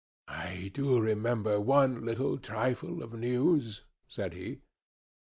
"I do remember one little trifle of news," said he.